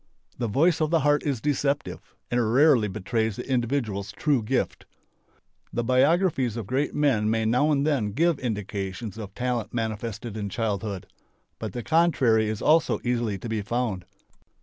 The voice of the heart is deceptive and rarely betrays the individual's true gift. The biographies of great men may now and then give indications of talent manifested in childhood. But the contrary is also easily to be found.